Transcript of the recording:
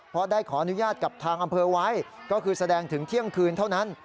เพราะได้ขออนุญาตกับทางอำเภอไว้ก็คือแสดงถึงเที่ยงคืนเท่านั้น